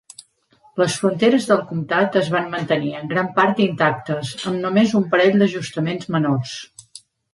Les fronteres del comtat es van mantenir en gran part intactes, amb només un parell d'ajustaments menors.